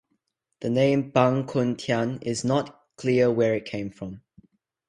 The name "Bang Khun Thian" is not clear where it came from.